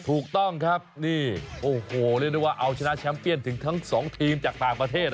ถูกต้องครับนี่โอ้โหเรียกได้ว่าเอาชนะแชมเปียนถึงทั้ง๒ทีมจากต่างประเทศ